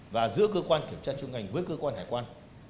và giữa cơ quan kiểm tra trung ngành với cơ quan hải quan